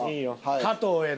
加藤への。